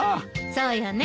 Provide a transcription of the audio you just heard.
そうだね。